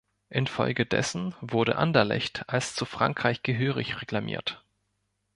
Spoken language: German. Infolgedessen wurde Anderlecht als zu Frankreich gehörig reklamiert.